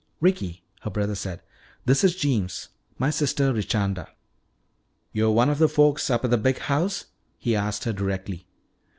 "Ricky," her brother said, "this is Jeems. My sister Richanda." "Yo' one of the folks up at the big house?" he asked her directly.